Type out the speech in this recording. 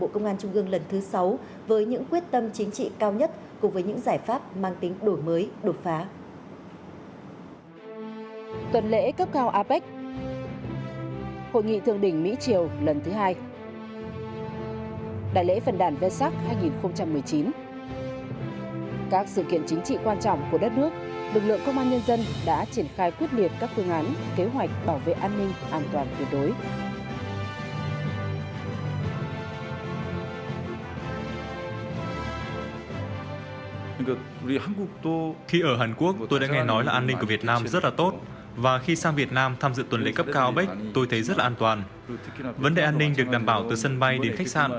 chúng ta vừa nhìn lại những hình ảnh về hội nghị cấp cao apec hai nghìn một mươi bảy